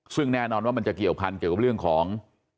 ซึ่งแน่นอนว่ามันจะเกี่ยวพันเกี่ยวกับเรื่องของ